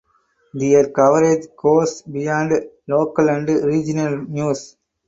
Their coverage goes beyond local and regional news.